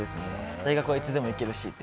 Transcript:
大学はいつでも行けるしって。